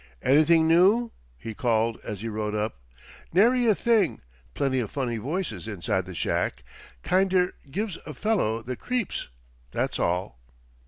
"Anything new?" he called as he rode up. "Nary a thing. Plenty of funny noises inside the shack. Kinder gives a fellow the creeps; that's all."